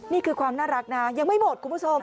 นี่คือความน่ารักนะยังไม่หมดคุณผู้ชม